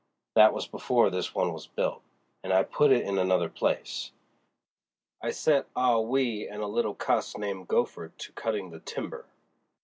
That was before this one was built, and I put it in another place. I set Ah Wee and a little cuss named Gopher to cutting the timber.